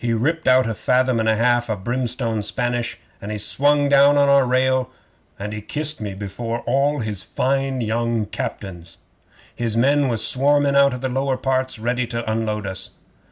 He ripped out a fathom and a half o' brimstone Spanish, and he swung down on our rail, and he kissed me before all his fine young captains. His men was swarming out of the lower ports ready to unload us.